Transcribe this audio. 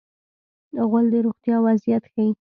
غول د روغتیا وضعیت ښيي.